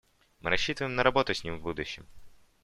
Мы рассчитываем на работу с ним в будущем.